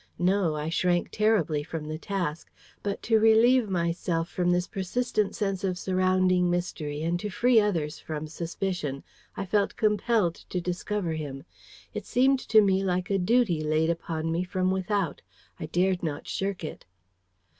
No; I shrank terribly from the task. But to relieve myself from this persistent sense of surrounding mystery, and to free others from suspicion, I felt compelled to discover him. It seemed to me like a duty laid upon me from without. I dared not shirk it.